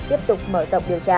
tiếp tục mở rộng điều tra